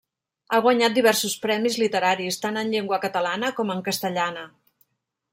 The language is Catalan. Ha guanyat diversos premis literaris, tant en llengua catalana com en castellana.